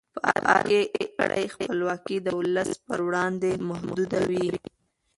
په ارګ کې کړۍ خپلواکي د ولس پر وړاندې محدودوي.